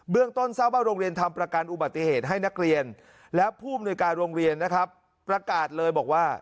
ต้นทราบว่าโรงเรียนทำประกันอุบัติเหตุให้นักเรียนและผู้อำนวยการโรงเรียนนะครับประกาศเลยบอกว่า